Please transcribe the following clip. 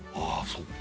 そっか